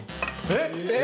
えっ